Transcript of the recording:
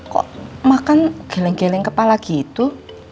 kok makan geleng geleng kepala gitu